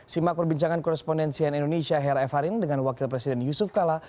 simak perbincangan korespondensian indonesia her f harin dengan wakil presiden yusuf kalla